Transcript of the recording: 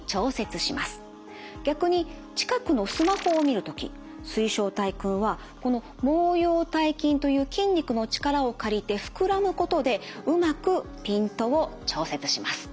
逆に近くのスマホを見る時水晶体くんはこの毛様体筋という筋肉の力を借りて膨らむことでうまくピントを調節します。